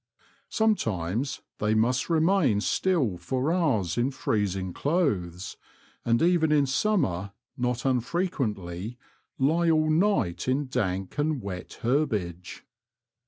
Some times they must remain still for hours in freezing clothes ; and even in summer not unfrequently lie all night in dank and wet herbage.